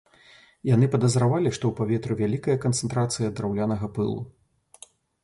Яны падазравалі, што ў паветры вялікая канцэнтрацыя драўлянага пылу.